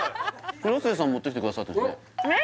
広末さんも持ってきてくださってますよね